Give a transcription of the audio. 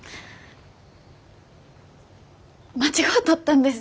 間違うとったんです。